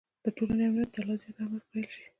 د ټولنې امنیت ته لا زیات اهمیت قایل شي.